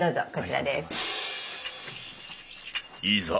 いざ